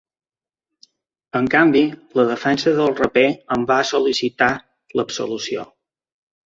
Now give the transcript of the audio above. En canvi, la defensa del raper en va sol·licitar l’absolució.